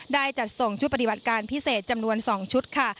ได้จัดส่งชุดปฏิบัติการพิเศษจำนวน๒ชุดค่ะ